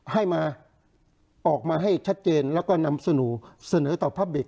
ให้มาออกมาให้ชัดเจนแล้วก็นำเสนอต่อพระบิกษ